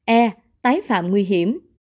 e tái phạm nguy hiểm